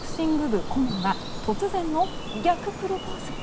部顧問が突然の逆プロポーズ。